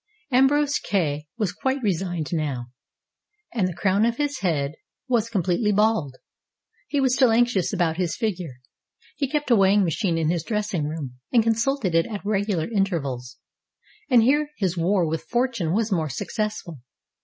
Ambrose Kay was quite resigned now, and the crown of his head was completely bald. He was still anxious about his figure. He kept a weighing machine in his dressing room, and consulted it at regular intervals. And here his war with fortune was more successful.